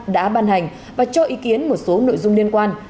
đã ban hành và cho ý kiến một số nội dung liên quan